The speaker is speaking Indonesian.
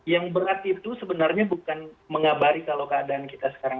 yang berat itu sebenarnya bukan mengabari kalau keadaan kita sekarang